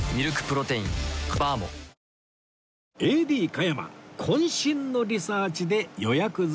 ＡＤ 加山渾身のリサーチで予約済み